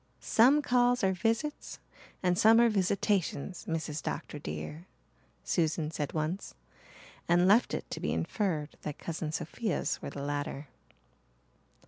"Some calls are visits and some are visitations, Mrs. Dr. dear," Susan said once, and left it to be inferred that Cousin Sophia's were the latter.